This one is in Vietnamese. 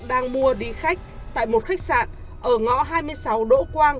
đang mua đi khách tại một khách sạn ở ngõ hai mươi sáu đỗ quang